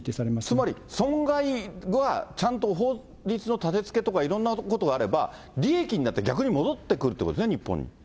つまり、損害は、ちゃんと法律の立てつけとか、いろんなことがあれば、利益になって逆に戻ってくるということですね、日本に。